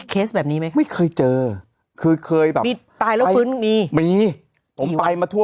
เคสแบบนี้ไหมไม่เคยเจอคือเคยแบบมีตายแล้วฟื้นมีมีผมไปมาทั่ว